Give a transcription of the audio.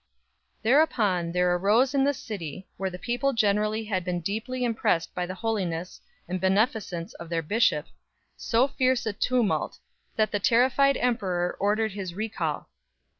Thereupon there arose in the city, where the people generally had been deeply im pressed by the holiness and beneficence of their bishop, so fierce a tumult that the terrified emperor ordered his recall.